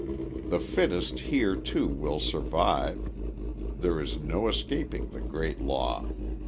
The fittest here, too, will survive (there is no escaping the great law!)